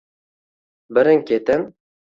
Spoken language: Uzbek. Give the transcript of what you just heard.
Birin-ketin